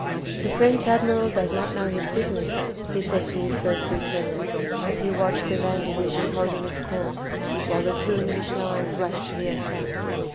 "The French admiral does not know his business," he said to his first lieutenant, as he watched the van division holding its course, while the two English lines rushed to the attack.